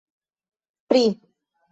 pri